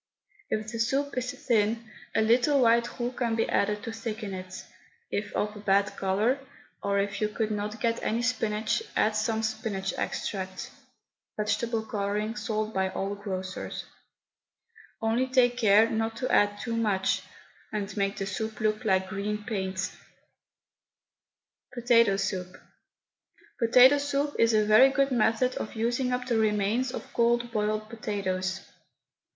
If the soup is thin, a little white roux can be added to thicken it; if of a bad colour, or if you could not get any spinach, add some spinach extract (vegetable colouring, sold by all grocers), only take care not to add too much, and make the soup look like green paint. POTATO SOUP. Potato soup is a very good method of using up the remains of cold boiled potatoes.